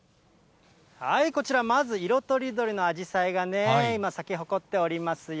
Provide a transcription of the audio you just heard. こちら、まず色とりどりのあじさいがねぇ、今、咲き誇っておりますよ。